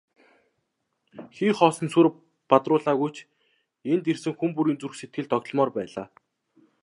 Хий хоосон сүр бадруулаагүй ч энд ирсэн хүн бүрийн зүрх сэтгэл догдолмоор байлаа.